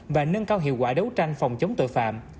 và nâng cao hiệu quả đấu tranh phòng chống tội phạm